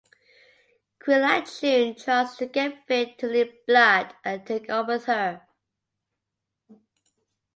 Quilla June tries to get Vic to leave Blood, and take off with her.